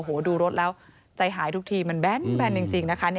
โอ้โหดูรถแล้วใจหายทุกทีมันแบนจริงนะคะ